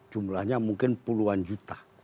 jumlahnya mungkin puluhan juta